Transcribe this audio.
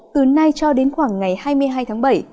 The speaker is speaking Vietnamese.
từ nay cho đến khoảng ngày hai mươi hai tháng bảy